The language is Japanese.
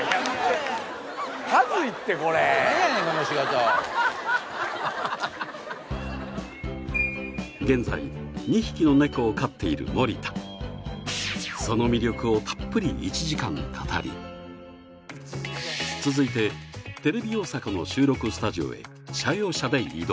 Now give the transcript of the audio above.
この仕事現在２匹の猫を飼っている森田その魅力をたっぷり１時間語り続いてテレビ大阪の収録スタジオへ社用車で移動